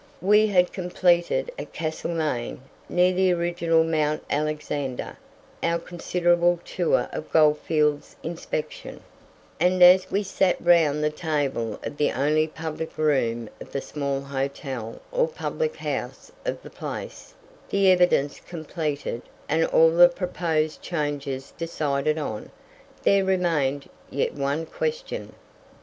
We had completed at Castlemaine, near the original Mount Alexander, our considerable tour of goldflelds inspection; and as we sat round the table of the only public room of the small hotel or public house of the place, the evidence completed, and all the proposed changes decided on, there remained yet one question.